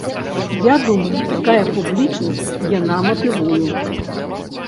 Я думаю такая публічнасць яна матывую.